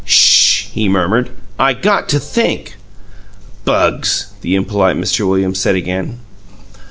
"SH!" he murmured. "I got to think." "Bugs!" the impolite Mr. Williams said again.